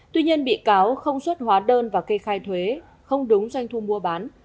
tuy nhiên bị cáo không xuất hóa đơn và kê khai thuế không đúng doanh thu mua bán